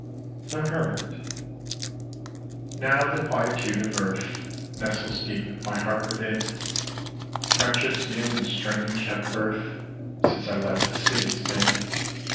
permit NOW the quietude of earth Nestles deep my heart within ; Friendships new and strange have birth Since I left the city's din.